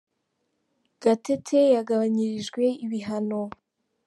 Gatete yagabanyirijwe ibihano